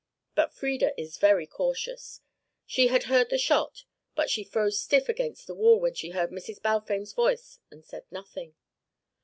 But Frieda is very cautious. She had heard the shot, but she froze stiff against the wall when she heard Mrs. Balfame's voice, and said nothing.